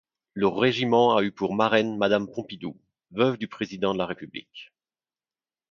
Le régiment a eu pour marraine madame Pompidou, veuve du président de la République.